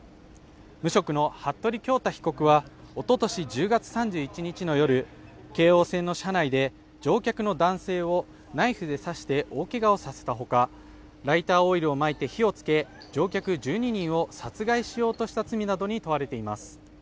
無職の服部恭太被告は一昨年１０月３１日の夜、京王線の車内で乗客の男性をナイフで刺して大けがをさせた他、ライターオイルをまいて火をつけ、乗客１２人を殺害しようとした罪などに問われています。